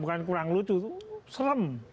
bukan kurang lucu itu selem